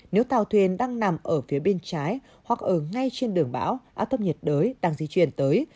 nếu tàu thuyền đang nằm ở phía bên trái hoặc ở ngay trên đường bão áp thấp nhiệt đới đang di chuyển tới